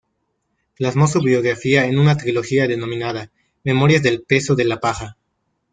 Plasmó su biografía en una trilogía denominada "Memorias del peso de la paja".